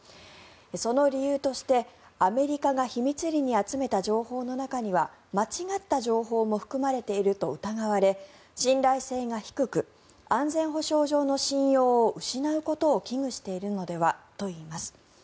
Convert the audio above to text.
その理由として、アメリカが秘密裏に集めた情報の中には間違った情報も含まれていると疑われ信頼性が低く安全保障上の信用を失うことを危惧しているのではといいます。